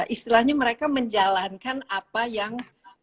istilahnya mereka menjalankan apa yang